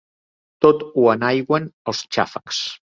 Tot ho enaigüen els xàfecs.